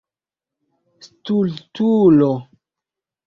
stultulo